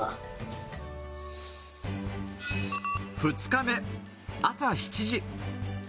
２日目、朝７時。